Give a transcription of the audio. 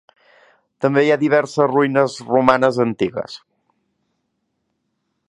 També hi ha diverses ruïnes romanes antigues.